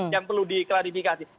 yang perlu diklarifikasi